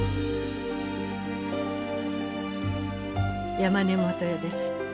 山根基世です。